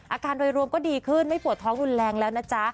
อาการโดยรวมก็ดีขึ้นไม่ปวดท้องรุนแรงแล้วนะจ๊ะ